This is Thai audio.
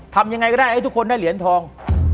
ทำยังไงก็ได้ให้ทุกคนได้เหรียญทอง